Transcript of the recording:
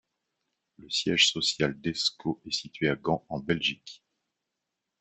Le siège social d’Esko est situé à Gand, en Belgique.